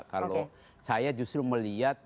kalau saya justru melihat